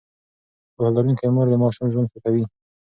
پوهه لرونکې مور د ماشوم ژوند ښه کوي.